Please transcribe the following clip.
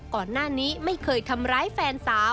ก่อนหน้านี้ไม่เคยทำร้ายแฟนสาว